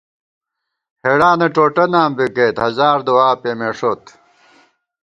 ہېڑانہ ٹوٹہ نام بی گئیت، ہزار دُعا پېمېݭوت